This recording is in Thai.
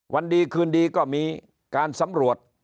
วันดีคืนดีก็มีการสำรวจ